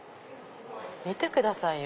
見てくださいよ。